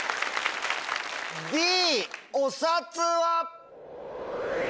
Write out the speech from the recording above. Ｄ「お札」は。